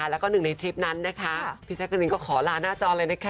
แล้วก็หนึ่งในทริปนั้นนะคะพี่แจ๊กกะลินก็ขอลาหน้าจอเลยนะคะ